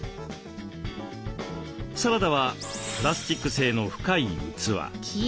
サラダはプラスチック製の深い器。